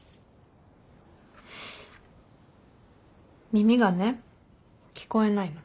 耳がね聞こえないの。